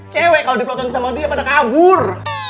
cewek kalau diploton sama dia pada kabur